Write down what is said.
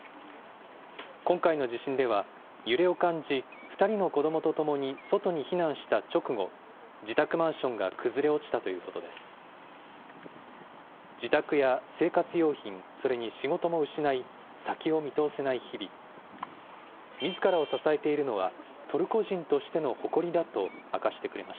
今回の地震では、揺れを感じ、２人の子どもと共に外に避難した直後、自宅マンションが崩れ落ちたということです。